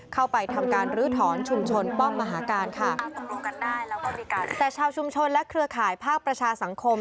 เข้าไปทำการลื้อถอนชุมชนป้อมมหาการค่ะแต่ชาวชุมชนและเครือข่ายภาคประชาสังคม